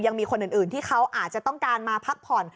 ยังมีคนอื่นที่เขาอาจจะต้องการมาพักผ่อน